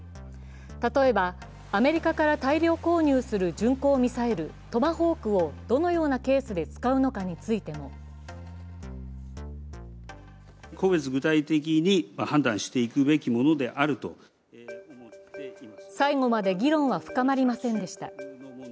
例えば、アメリカから大量購入する巡航ミサイル、トマホークをどのようなケースで使うのかについても最後まで議論は深まりませんでした。